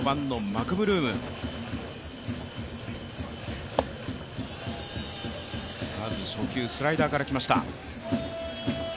まず初球、スライダーからきました。